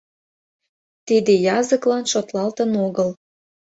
Тиде языклан шотлалтын огыл.